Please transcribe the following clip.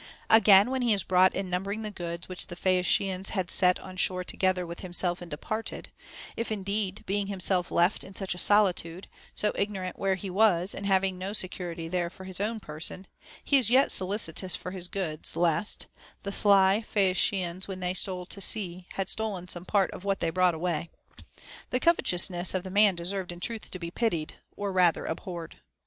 Again, when he is brought in numbering the goods which the Phaeacians had set on shore together with him self and departed ; if indeed, being himself left in such a solitude, so ignorant where he was, and having no secu rity there for his own person, he is yet solicitous for his goods, lest The sly Phaeacians, when they stole to sea, Had stolen some part of what they brought away ;* the covetousness of the man deserved in truth to be pitied, or rather abhorred.